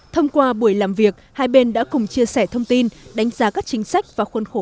thông qua buổi làm việc hai bên đã cùng chia sẻ thông tin đánh giá các chính sách và khuôn khổ